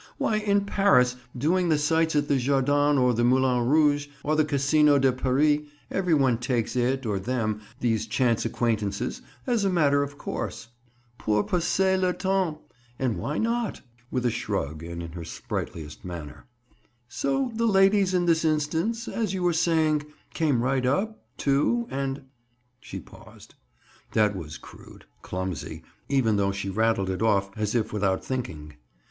"Why, in Paris, doing the sights at the Jardin or the Moulin Rouge, or the Casino de Paris, every one takes it or them—these chance acquaintances—as a matter of course. Pour passer le temps! And why not?" With a shrug and in her sprightliest manner. "So the ladies in this instance, as you were saying, came right up, too, and—?" She paused. That was crude—clumsy—even though she rattled it off as if without thinking.